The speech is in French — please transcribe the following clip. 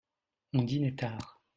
on dînait tard.